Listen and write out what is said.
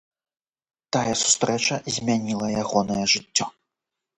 Тая сустрэча змяніла ягонае жыццё.